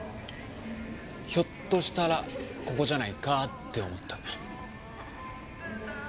ひょっとしたらここじゃないかって思ったんだ。